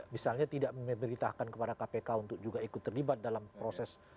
misalnya tidak memberitahkan kepada kpk untuk juga ikut terlibat dalam proses